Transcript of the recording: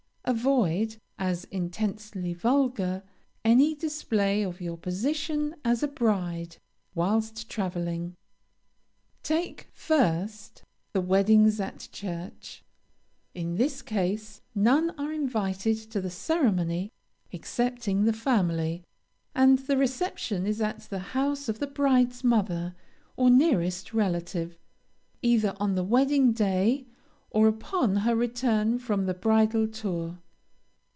Avoid, as intensely vulgar, any display of your position as a bride, whilst traveling. Take, first, the weddings at church. In this case none are invited to the ceremony excepting the family, and the reception is at the house of the bride's mother, or nearest relative, either on the wedding day or upon her return from the bridal tour.